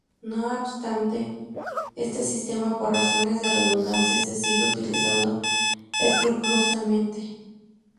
No obstante, este sistema, por razones de redundancia, se sigue utilizando escrupulosamente.